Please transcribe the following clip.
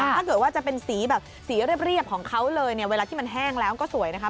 ถ้าเกิดว่าจะเป็นสีแบบสีเรียบของเขาเลยเนี่ยเวลาที่มันแห้งแล้วก็สวยนะคะ